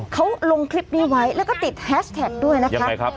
เขาลงคลิปนี้ไว้แล้วก็ติดแฮชแท็กด้วยนะคะใช่ครับ